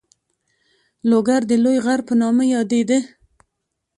لوګر د لوی غر په نامه یادېده.